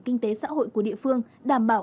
kinh tế xã hội của địa phương đảm bảo